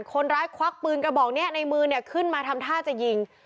คนร้ายควักปืนกระบองแน่ในมือเนี่ยขึ้นมาทำท่าจะยิง